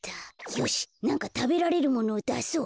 よしなんかたべられるものをだそう。